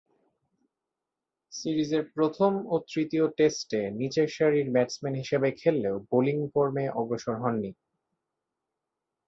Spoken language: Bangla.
সিরিজের প্রথম ও তৃতীয় টেস্টে নিচেরসারির ব্যাটসম্যান হিসেবে খেললেও বোলিং কর্মে অগ্রসর হননি।